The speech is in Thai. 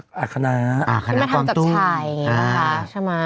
ที่มันทำจากชายใช่ไหม